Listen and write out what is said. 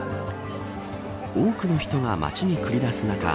多くの人が街に繰り出す中